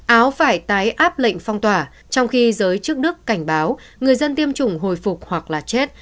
áo phải tái áp lệnh phong tỏa trong khi giới chức đức cảnh báo người dân tiêm chủng hồi phục hoặc là chết